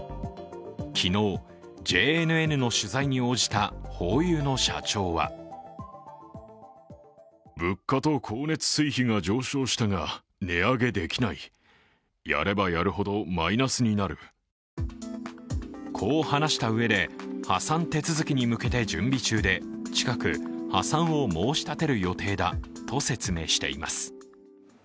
昨日、ＪＮＮの取材に応じたホーユーの社長はこう話したうえで、破産手続きに向けて準備中で、近く破産を申し立てる予定だと説明しています